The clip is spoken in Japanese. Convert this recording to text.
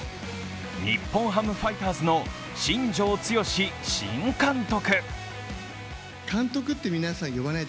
日本ハムファイターズの新庄剛志新監督。